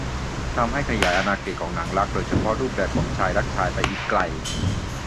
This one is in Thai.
ทำให้ขยายอาณาเขตของหนังรัก โดยเฉพาะรูปแบบของชายรักชายไปอีกไกล